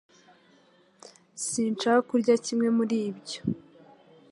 Sinshaka kurya kimwe muri ibyo